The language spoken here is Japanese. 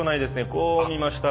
こう見ましたら。